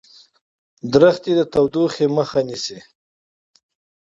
ونې د تودوخې مخه نیسي.